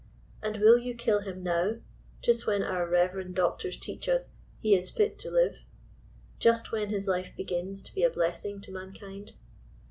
And will you kill him now, just when our reyerend doctors teach us he is fit to live?*'— just when his life begins to be a blessing to mankind